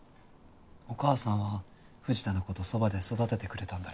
お母さんは藤田の事そばで育ててくれたんだろ？